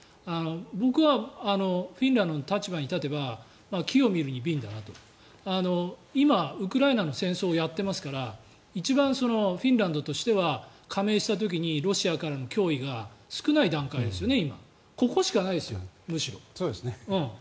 僕はフィンランドの立場に立てば機を見るに敏だなと今、ウクライナの戦争をやっていますから一番フィンランドとしては加盟した時にロシアからの脅威が少ない段階ですよね。